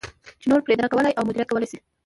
چې نور پرې درک کولای او مدیریت کولای شي.